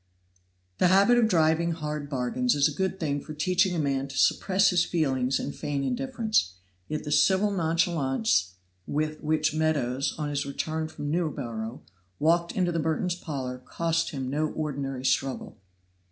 The habit of driving hard bargains is a good thing for teaching a man to suppress his feelings and feign indifference, yet the civil nonchalance with which Meadows, on his return from Newborough, walked into the Merton's parlor cost him no ordinary struggle.